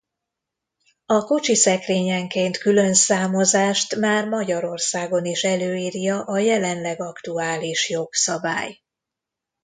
A kocsiszekrényenként külön számozást már Magyarországon is előírja a jelenleg aktuális jogszabály.